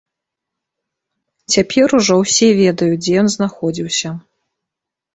Цяпер ужо ўсе ведаюць, дзе ён знаходзіўся.